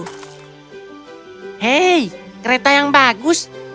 hei kereta yang bagus